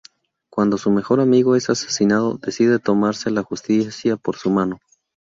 Cuando su mejor amigo es asesinado, decide tomarse la justicia por su mano.